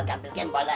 gak tau kalau